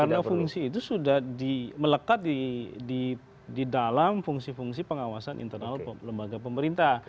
karena fungsi itu sudah melekat di dalam fungsi fungsi pengawasan internal lembaga pemerintah